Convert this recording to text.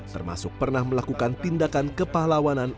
termasuk pernah melakukan tindakan kepahlawanan